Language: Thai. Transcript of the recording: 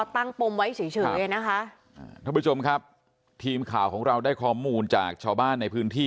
ท่านผู้ชมครับทีมข่าวของเราได้ข้อมูลจากชาวบ้านในพื้นที่